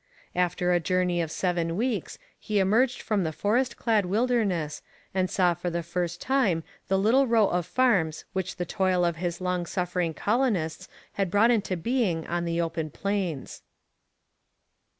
After a journey of seven weeks he emerged from the forest clad wilderness and saw for the first time the little row of farms which the toil of his long suffering colonists had brought into being on the open plains.